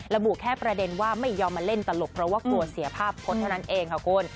ระบุแค่ประเด็นว่าไม่ยอมมาเล่นตลกเพราะว่ากลัวเสียภาพพจน์เท่านั้นเองค่ะคุณ